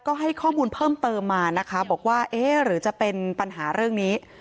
ก็ให้ข้อมูลเพิ่มเติมมานะคะบอกว่าเอ๊ะหรือจะเป็นปัญหาเรื่องนี้